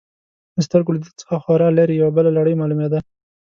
د سترګو له دید څخه خورا لرې، یوه بله لړۍ معلومېده.